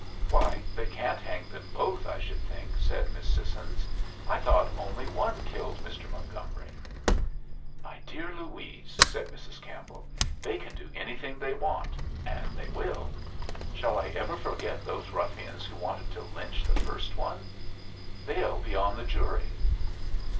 "Why, they can't hang them both, I should think," said Miss Sissons. "I thought only one killed Mr. Montgomery." "My dear Louise," said Mrs. Campbell, "they can do anything they want, and they will. Shall I ever forget those ruffians who wanted to lynch the first one? They'll be on the jury!"